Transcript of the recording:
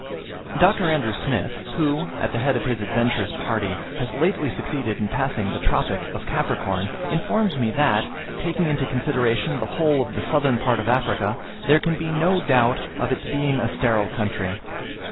Dr. Andrew Smith, who, at the head of his adventurous party, has lately succeeded in passing the Tropic of Capricorn, informs me that, taking into consideration the whole of the southern part of Africa, there can be no doubt of its being a sterile country.